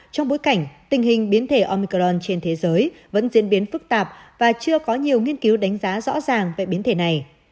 trong bối cảnh tình hình biến thể omicron trên thế giới vẫn diễn biến phức tạp và chưa có nhiều nghiên cứu đánh giá rõ ràng về biến thể này